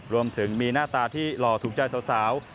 รวมถึงมีหน้าตาที่หล่อถูกใจสาว